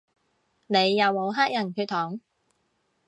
你有冇黑人血統